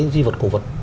di vật cổ vật